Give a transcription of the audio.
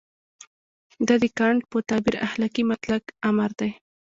دا د کانټ په تعبیر اخلاقي مطلق امر دی.